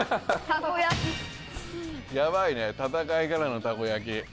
やばいね戦いからのたこ焼き。